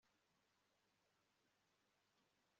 Kandi ngomba kumushakira aho